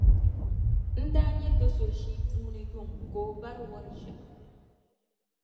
n daa nya do’ so ʒii puuni yuŋ ka o bari wɔri ʒiɛɣu.